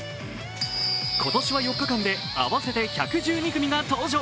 今年は４日間で合わせて１１２組が登場。